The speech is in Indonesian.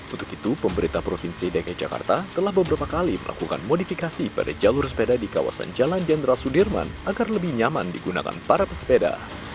untuk itu pemerintah provinsi dki jakarta telah beberapa kali melakukan modifikasi pada jalur sepeda di kawasan jalan jenderal sudirman agar lebih nyaman digunakan para pesepeda